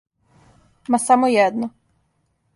Ма само једно.